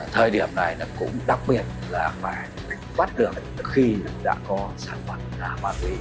thời điểm này cũng đặc biệt là phải bắt được khi đã có sản phẩm đảm bảo lý